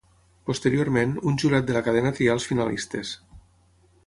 Posteriorment, un jurat de la cadena trià els finalistes.